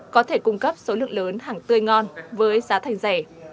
có thể cung cấp số lượng lớn hàng tươi ngon với giá thành rẻ